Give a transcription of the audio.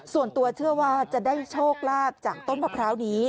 ส่วนตัวเชื่อว่าจะได้โชคลาภจากต้นมะพร้าวนี้